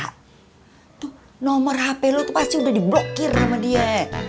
tuh nomor hp lo tuh pasti udah diblokir sama dia